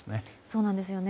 そうなんですよね。